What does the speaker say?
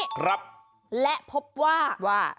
ครับและพบว่าว่า